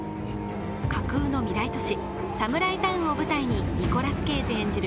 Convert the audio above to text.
架空の未来都市、サムライタウンを舞台にニコラス・ケイジ演じる